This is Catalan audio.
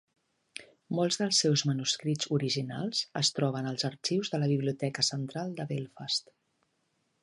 Molts dels seus manuscrits originals es troben als arxius de la Biblioteca central de Belfast.